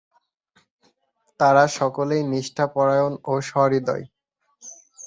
তাঁরা সকলেই নিষ্ঠাপরায়ণ ও সহৃদয়।